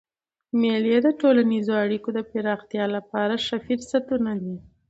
مېلې د ټولنیزو اړیکو د پراختیا له پاره ښه فرصتونه دي.